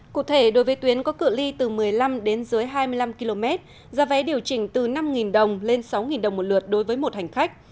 cụ thể đối với tuyến có cựa ly từ một mươi năm đến dưới hai mươi năm km giá vé điều chỉnh từ năm đồng lên sáu đồng một lượt đối với một hành khách